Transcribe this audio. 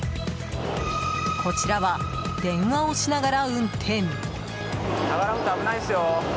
こちらは電話をしながら運転。